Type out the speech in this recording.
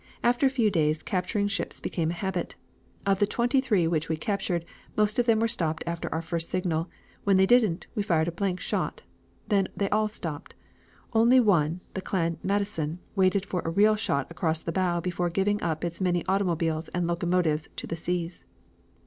After a few days, capturing ships became a habit. Of the twenty three which we captured most of them stopped after our first signal; when they didn't, we fired a blank shot. Then they all stopped. Only one, the Clan Matteson, waited for a real shot across the bow before giving up its many automobiles and locomotives to the seas.